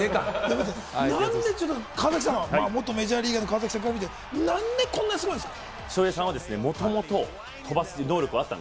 元メジャーリーガーの川崎さん、なんでこんなにすごいんですか？